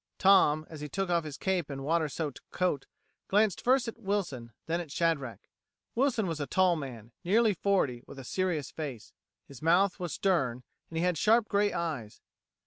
Tom, as he took off his cape and water soaked coat, glanced first at Wilson, then at Shadrack. Wilson was a tall man, nearly forty, with a serious face. His mouth was stern, and he had sharp gray eyes.